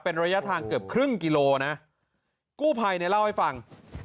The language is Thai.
เป็นระยะทางเกือบครึ่งกิโลนะกู้ภัยเนี่ยเล่าให้ฟัง